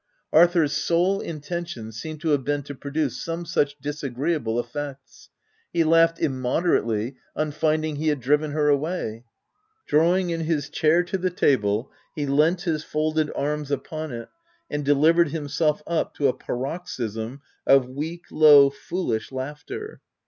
Arthur's sole intention seemed to have been to produce some such disagreeable effects : he laughed im moderately on finding he had driven her away — drawing in his chair to the table, he leant his folded arms upon it, and delivered himself up to a paroxysm of weak, low, foolish laughter.